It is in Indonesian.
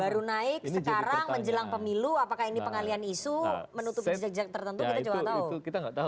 baru naik sekarang menjelang pemilu apakah ini pengalian isu menutup jejak jejak tertentu kita juga gak tahu